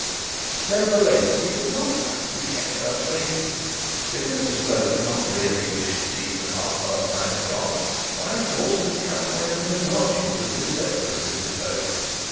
Nevertheless, he did not like to be thus kept waiting. If Mr Slope did not really wish to see him at half past nine o'clock, why force him to come away from his lodgings with his breakfast in his throat?